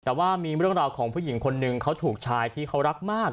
แต่ว่ามีเรื่องราวของผู้หญิงคนหนึ่งเขาถูกชายที่เขารักมาก